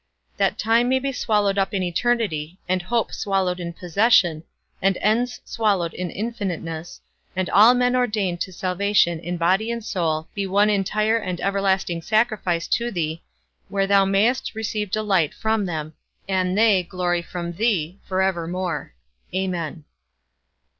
That time may be swallowed up in eternity, and hope swallowed in possession, and ends swallowed in infiniteness, and all men ordained to salvation in body and soul be one entire and everlasting sacrifice to thee, where thou mayst receive delight from them, and they glory from thee, for evermore. Amen.